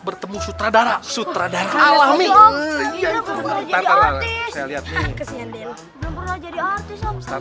bertemu sutradara sutradara awami ini belum pernah jadi artis saya lihat ini kesian dia belum